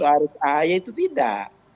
siapa harus siapa termasuk harus aaya itu tidak